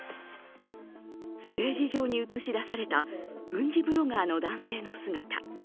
ステージ上に映し出された軍事ブロガーの男性の姿。